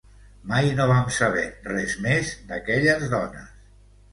Mai no vam saber res més d'aquelles dones.